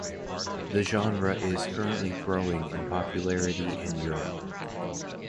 The genre is currently growing in popularity in Europe.